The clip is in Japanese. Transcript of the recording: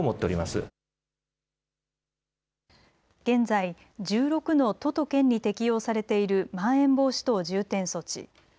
現在、１６の都と県に適用されているまん延防止等重点措置。